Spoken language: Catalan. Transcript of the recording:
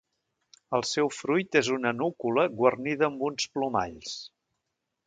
El seu fruit és una núcula guarnida amb uns plomalls.